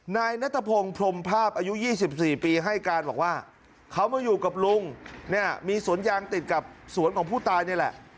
นายนัทพงศ์พรมภาพอายุ๒๔ปีให้การบอกว่าเขามาอยู่กับลุงเนี่ยมีสวนยางติดกับสวนของผู้ตายนี่แหละ